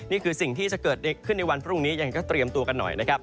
นี่คือสิ่งที่จะเกิดขึ้นในวันพรุ่งนี้ยังก็เตรียมตัวกันหน่อยนะครับ